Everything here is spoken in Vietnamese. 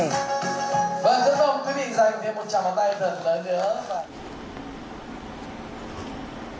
vâng rất mong quý vị dành thêm một chặng bóng tay thật lớn nữa